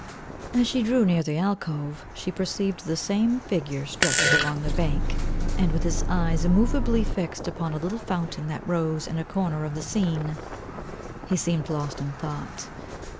As she drew near the alcove, she perceived the same figure stretched along the bank, and with his eyes immoveably fixed upon a little fountain that rose in a corner of the scene. He seemed lost in thought.